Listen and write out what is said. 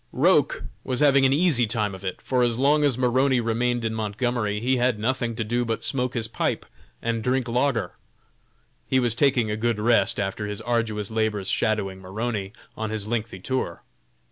Roch was having an easy time of it, for as long as Maroney remained in Montgomery he had nothing to do but smoke his pipe and drink lager. He was taking a good rest after his arduous labors "shadowing" Maroney on his lengthy tour.